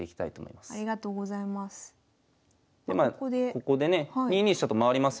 ここでね２二飛車と回りますよね。